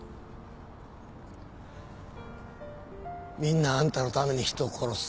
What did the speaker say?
みんなあんたのために人殺す。